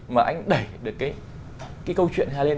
mà anh đẩy được cái câu chuyện ra lên